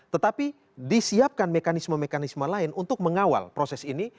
tetapi disiapkan mekanisme mekanisme lain untuk mengawal proses ini